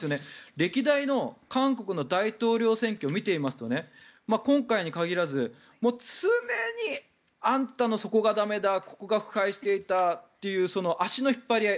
歴代の韓国の大統領選挙を見ていますと今回に限らず常にあんたのそこが駄目だここが腐敗していたという足の引っ張り合い。